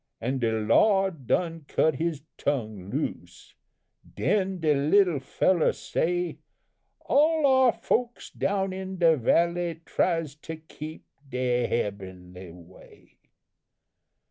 An' de Lawd done cut his tongue loose, den de little fellow say 'All our folks down in the valley tries to keep de hebbenly way.'